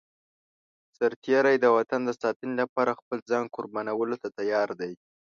سرتېری د وطن د ساتنې لپاره خپل ځان قربانولو ته تيار دی.